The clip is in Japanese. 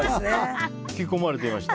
吹き込まれていました。